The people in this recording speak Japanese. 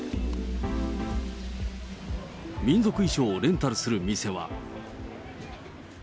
民族衣装をレンタルする店は。